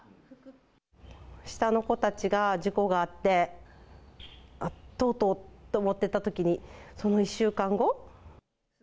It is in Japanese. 下の子たちが事故があって、とうとうと思ってたときに、その１週間後。